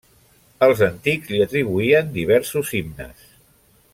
Els antics li atribuïen diversos himnes.